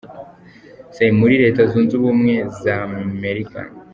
C, muri Leta Zunze Ubumwe za Amerika.